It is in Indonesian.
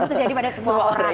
itu terjadi pada semua orang